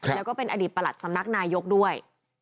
แล้วก็เป็นอดีตประหลัดสำนักนายกด้วย